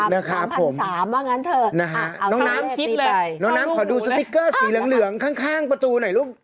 น้องน้ำขอดูสติ๊กเกอร์สีเหลืองข้างประตูหน่อยลูก